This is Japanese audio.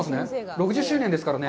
６０周年ですからね。